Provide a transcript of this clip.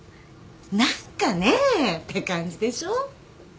何かねぇって感じでしょ。